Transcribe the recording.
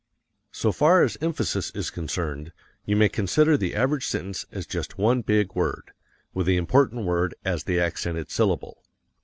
So far as emphasis is concerned, you may consider the average sentence as just one big word, with the important word as the accented syllable.